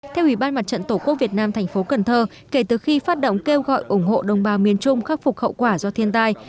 theo ủy ban mặt trận tổ quốc việt nam thành phố cần thơ kể từ khi phát động kêu gọi ủng hộ đồng bào miền trung khắc phục hậu quả do thiên tai